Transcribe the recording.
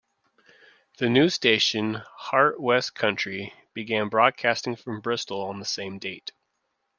The new station, "Heart West Country", began broadcasting from Bristol on the same date.